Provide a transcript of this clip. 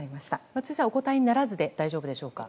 松井さん、お答えにならずで大丈夫でしょうか。